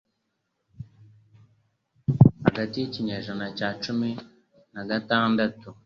Hagati y'ikinyejana cya cumi nagatandatu